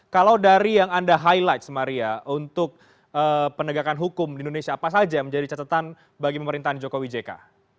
kalau dari yang anda highlight maria untuk penegakan hukum di indonesia apa saja menjadi catatan bagi pemerintahan joko wijeka